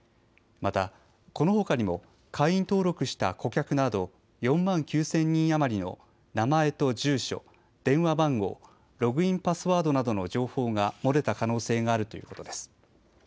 また、このほかにも会員登録した顧客など４万９０００人余りの名前と住所、電話番号、ログインパスワードなどの情報が漏れた可能性があるということです。